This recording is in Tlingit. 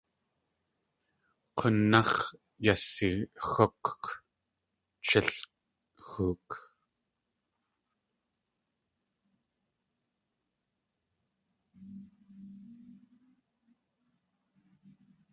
K̲únáx̲ yasixúkk chíl xook.